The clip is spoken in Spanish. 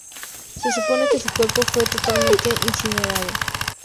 Se supone que su cuerpo fue totalmente incinerado.